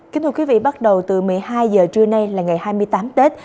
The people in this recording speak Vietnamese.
kính thưa quý vị bắt đầu từ một mươi hai h trưa nay là ngày hai mươi tám tết